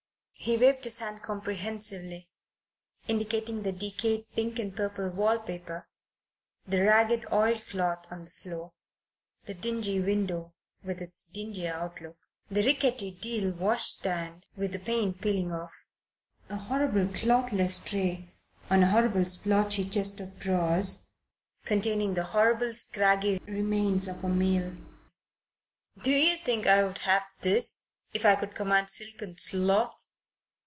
He waved his hand comprehensively, indicating the decayed pink and purple wall paper, the ragged oil cloth on the floor, the dingy window with its dingier outlook, the rickety deal wash stand with the paint peeling off, a horrible clothless tray on a horrible splotchy chest of drawers, containing the horrible scraggy remains of a meal. "Do you think I would have this if I could command silken sloth?